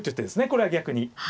これは逆に。